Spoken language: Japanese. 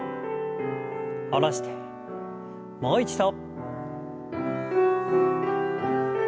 下ろしてもう一度。